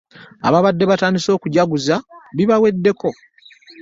Ababadde batandise okujaguza bibaweddeko.